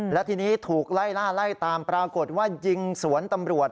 และทีนี้ถูกไล่ล่าไล่ตามปรากฏว่ายิงสวนตำรวจ